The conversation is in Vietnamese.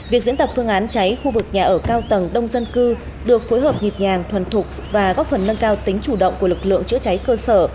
việc diễn tập phương án cháy khu vực nhà ở cao tầng đông dân cư được phối hợp nhịp nhàng thuần thục và góp phần nâng cao tính chủ động của lực lượng chữa cháy cơ sở